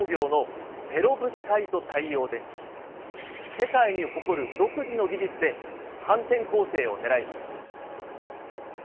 世界に誇る独自の技術で反転攻勢を狙います。